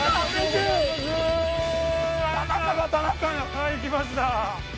はい来ました。